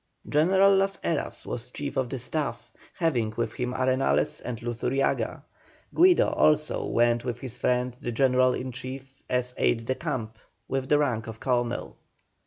General Las Heras was chief of the staff, having with him Arenales and Luzuriaga; Guido also went with his friend the general in chief as aide de camp, with the rank of colonel.